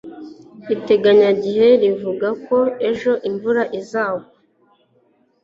iteganyagihe rivuga ko ejo imvura izagwa